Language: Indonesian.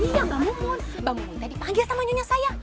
oh iya mbak mumun mbak mumun teh dipanggil sama nyonya saya